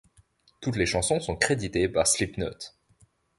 Toutes les chansons sont créditées par Slipknot.